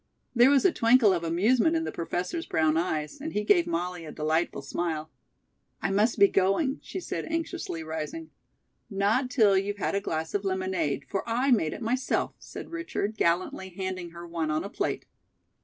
There was a twinkle of amusement in the Professor's brown eyes, and he gave Molly a delightful smile. "I must be going," she said anxiously, rising. "Not till you've had a glass of lemonade, for I made it myself," said Richard, gallantly handing her one on a plate.